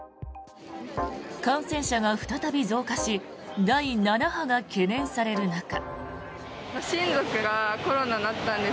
感染者が再び増加し第７波が懸念される中。